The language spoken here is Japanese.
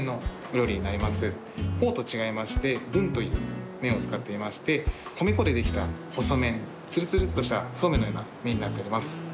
フォーと違いましてブンという麺を使っていまして米粉でできた細麺つるつるっとしたそうめんのような麺になっております。